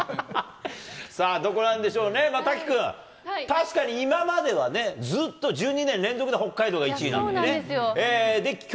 さあ、どこなんでしょうね、滝君、確かに今まではね、ずっと１２年連続で北海道が１位なんだそうなんですよ。